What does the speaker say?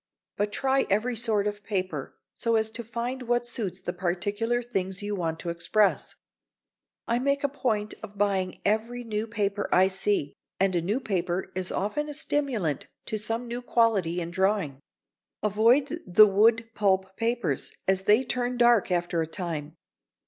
But try every sort of paper so as to find what suits the particular things you want to express. I make a point of buying every new paper I see, and a new paper is often a stimulant to some new quality in drawing. Avoid the wood pulp papers, as they turn dark after a time.